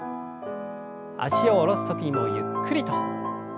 脚を下ろす時にもゆっくりと。